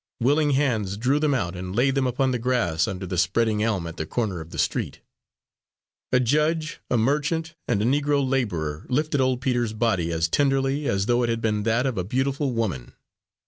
Willing hands drew them out and laid them upon the grass under the spreading elm at the corner of the street. A judge, a merchant and a Negro labourer lifted old Peter's body as tenderly as though it had been that of a beautiful woman.